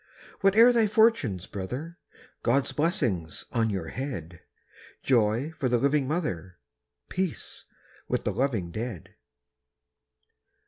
Whate'er thy fortunes, brother! God's blessing on your head; Joy for the living mother, Peace with the loving dead.